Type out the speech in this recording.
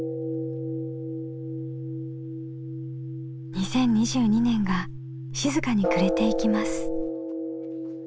２０２２年が静かに暮れていきます。